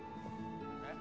えっ？